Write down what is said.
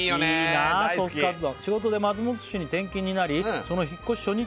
「仕事で松本市に転勤になりその引っ越し初日に」